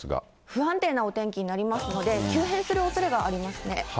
不安定なお天気になりますので、急変するおそれがありますね。